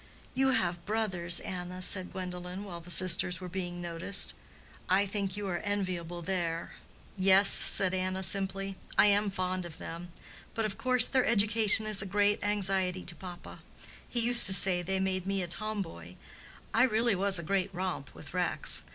"You have brothers, Anna," said Gwendolen, while the sisters were being noticed. "I think you are enviable there." "Yes," said Anna, simply. "I am very fond of them; but of course their education is a great anxiety to papa. He used to say they made me a tomboy. I really was a great romp with Rex.